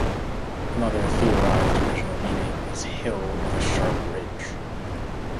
Another theorized original meaning is "hill with a sharp ridge".